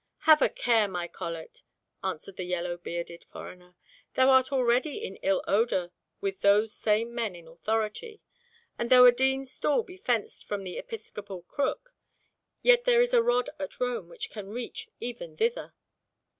"Have a care, my Colet," answered the yellow bearded foreigner; "thou art already in ill odour with those same men in authority; and though a Dean's stall be fenced from the episcopal crook, yet there is a rod at Rome which can reach even thither."